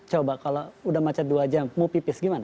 coba kalau udah macet dua jam mau pipis gimana